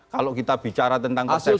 kalau kita bicara tentang persepsi